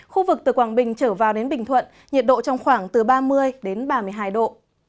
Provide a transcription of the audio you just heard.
khu vực từ quảng bình trở vào đến bình thuận nhiệt độ trong khoảng từ ba mươi đến ba mươi hai độ